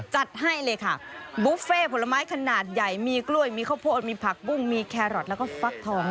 จัดให้เลยค่ะบุฟเฟ่ผลไม้ขนาดใหญ่มีกล้วยมีข้าวโพดมีผักบุ้งมีแครอทแล้วก็ฟักทอง